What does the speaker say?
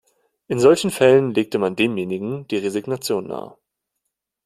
In solchen Fällen legte man demjenigen die Resignation nahe.